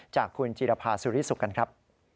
จากคุณจิรภาสุริสุขกันครับ